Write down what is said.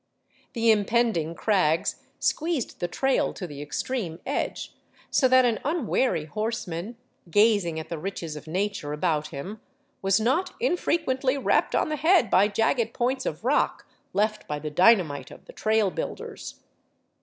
The impending crags squeezed the trail to the extreme edge, so that an unwary horseman, gazing at the riches of nature about him, was not infrequently rapped on the head by jagged points of rock left by the dynamite of the trail builders.